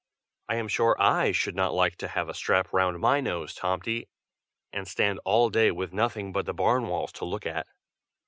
I am sure I should not like to have a strap round my nose, Tomty, and stand all day with nothing but the barn walls to look at."